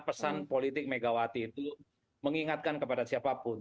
pesan politik megawati itu mengingatkan kepada siapapun